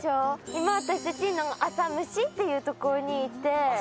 今私たち浅虫っていう所にいて。